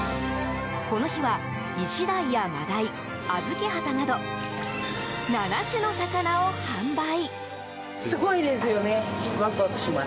この日は、イシダイやマダイアズキハタなど７種の魚を販売。